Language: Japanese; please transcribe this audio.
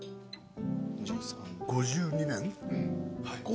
５２年。